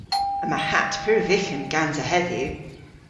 Yma hatt pur vyghan gansa hedhyw!